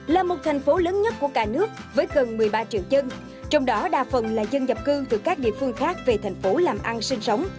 là một thành phố lớn nhất của cả nước với gần một mươi ba triệu dân trong đó đa phần là dân nhập cư từ các địa phương khác về thành phố làm ăn sinh sống